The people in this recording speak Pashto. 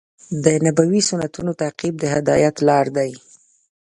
د نبوي سنتونو تعقیب د هدایت لار دی.